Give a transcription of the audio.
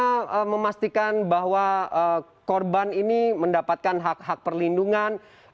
bagaimana memastikan bahwa korban ini mendapatkan hak hak perlindungan